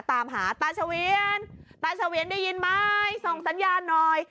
ตามหาตาเฉวียนตาเฉวียนได้ยินไหมส่งสัญญาณหน่อย